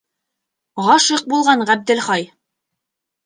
Ғашиҡ булған Ғәбделхай.